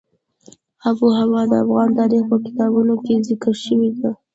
آب وهوا د افغان تاریخ په کتابونو کې ذکر شوې ده.